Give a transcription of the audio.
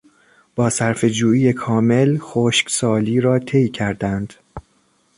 با صرفهجویی کامل خشکسالی را طی کردند.